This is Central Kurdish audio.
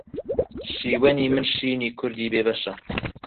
شیوەنی من شینی کوردی بێ بەشە